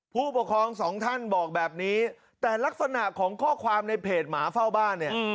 ผู้ปกครองสองท่านบอกแบบนี้แต่ลักษณะของข้อความในเพจหมาเฝ้าบ้านเนี่ย